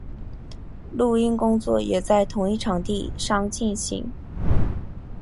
录音工作也在同一场地上进行。